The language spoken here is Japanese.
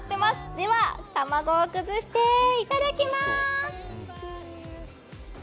では、卵を崩して、いただきまーす。